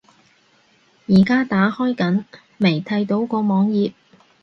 而家打開緊，未睇到個網頁￼